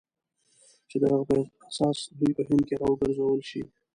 چې د هغه په اساس دوی په هند کې را وګرځول شي.